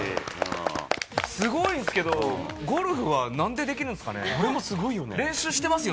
すごいですけど、ゴルフは何でできるんですかね？